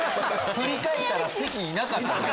振り返ったら席にいなかった。